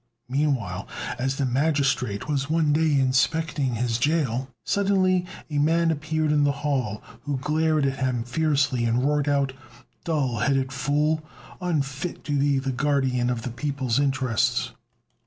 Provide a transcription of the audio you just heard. Meanwhile, as the magistrate was one day inspecting his gaol, suddenly a man appeared in the hall, who glared at him fiercely and roared out, "Dull headed fool! unfit to be the guardian of the people's interests!"